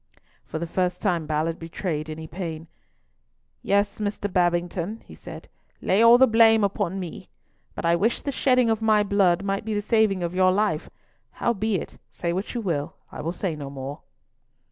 For the first time Ballard betrayed any pain. "Yes, Mr. Babington," he said, "lay all the blame upon me; but I wish the shedding of my blood might be the saving of your life. Howbeit, say what you will, I will say no more."